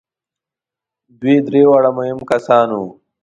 دوی درې واړه مهم کسان وو.